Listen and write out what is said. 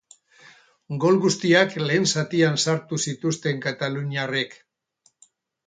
Gol guztiak lehen zatian sartu zituzten kataluniarrek.